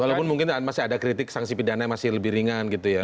walaupun mungkin masih ada kritik sanksi pidana yang masih lebih ringan gitu ya